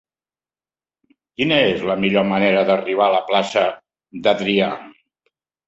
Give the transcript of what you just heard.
Quina és la millor manera d'arribar a la plaça d'Adrià?